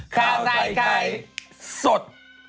ข้าวใส่ไข่สด